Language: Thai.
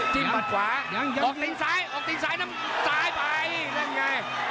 จิ้มหมัดขวาออกติ่งซ้ายไป